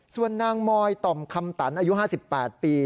ส่วนนางมอยต่อมคำตันอายุ๕๘ปี